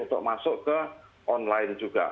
untuk masuk ke online juga